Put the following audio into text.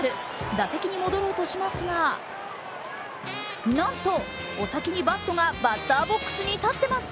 打席に戻ろうとしますがなんとお先にバットがバッターボックスに立ってます。